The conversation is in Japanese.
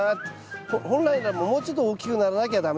本来ならもうちょっと大きくならなきゃ駄目ですね。